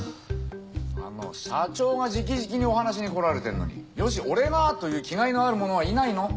あの社長がじきじきにお話に来られてんのによし俺が！という気概のある者はいないの？